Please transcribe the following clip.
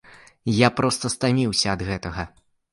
Я проста стаміўся ад гэтага.